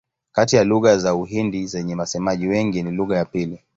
Kati ya lugha za Uhindi zenye wasemaji wengi ni lugha ya pili.